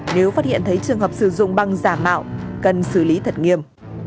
nếu phát hiện thấy trường hợp sử dụng băng giả mạo cần xử lý thật nghiêm